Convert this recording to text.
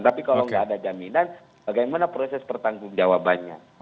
tapi kalau nggak ada jaminan bagaimana proses pertanggungjawabannya